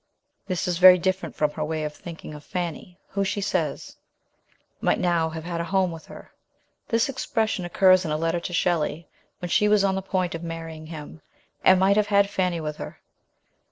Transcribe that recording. This is very different from her way of thinking of Fanny, who, she says, might now have had a home with her. This expression occurs in a letter to Shelley when she was on the point of marrying him, and might have had Fanny with her.